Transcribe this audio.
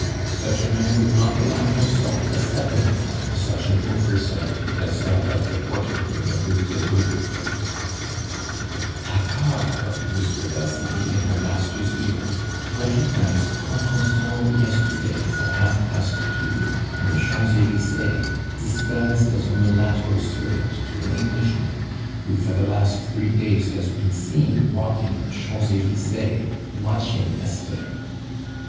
Such a man would not allow himself a second time such an oversight as that of the porter in the Rue Taitbout. "Paccard," whispered Asie in her master's ear, "recognized Contenson yesterday, at half past two, in the Champs Elysees, disguised as a mulatto servant to an Englishman, who for the last three days has been seen walking in the Champs Elysees, watching Esther.